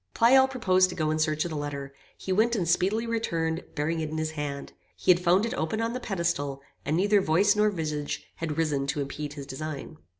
Pleyel proposed to go in search of the letter. He went and speedily returned, bearing it in his hand. He had found it open on the pedestal; and neither voice nor visage had risen to impede his design.